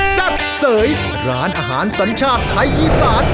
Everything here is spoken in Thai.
แซ่บเสยร้านอาหารสัญชาติไทยอีสาน